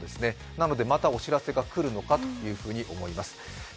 なのでまたお知らせが来るのかなというふうに思います。